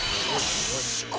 よし！